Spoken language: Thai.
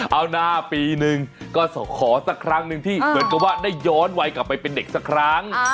เอาหน้าปีหนึ่งก็ขอสักครั้งหนึ่งที่เหมือนกับว่าได้ย้อนวัยกลับไปเป็นเด็กสักครั้ง